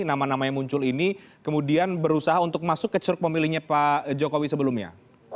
nama nama yang muncul ini kemudian berusaha untuk masuk ke ceruk pemilihnya pak jokowi sebelumnya